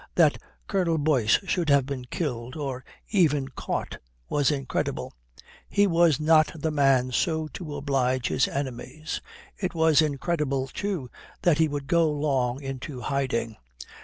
That Colonel Boyce should have been killed or even caught was incredible. He was not the man so to oblige his enemies. It was incredible, too, that he would go long into hiding.